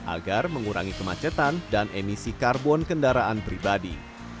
agar mengurangi kemacetan dan emisi karbon kendaraan pribadi